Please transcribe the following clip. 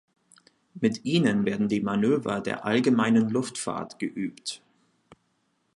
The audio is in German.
Mit ihnen werden die Manöver der allgemeinen Luftfahrt geübt.